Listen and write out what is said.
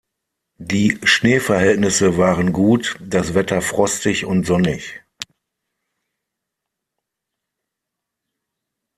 Die Schneeverhältnisse waren gut, das Wetter frostig und sonnig.